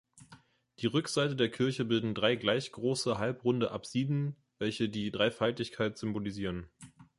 Die Rückseite der Kirche bilden drei gleich große, halbrunde Apsiden, welche die Dreifaltigkeit symbolisieren.